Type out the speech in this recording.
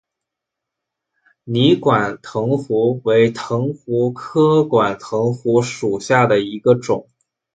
泥管藤壶为藤壶科管藤壶属下的一个种。